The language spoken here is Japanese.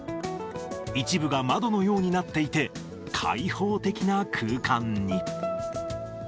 一部が窓のようになっていて、開放的な空間に。